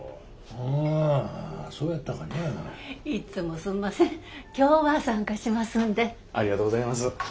ありがとうございます。